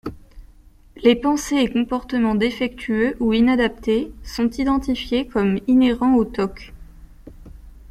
Les pensées et comportements défectueux ou inadaptés sont identifiés comme inhérents aux tocs.